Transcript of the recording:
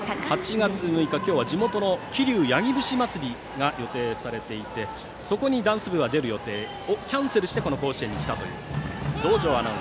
８月６日、今日は地元の桐生の八木節祭りが予定されていてそこにダンス部は出る予定だったんですがキャンセルして甲子園に来たという。